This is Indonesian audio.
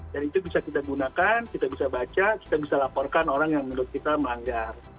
dan itu bisa kita gunakan kita bisa baca kita bisa laporkan orang yang menurut kita melanggar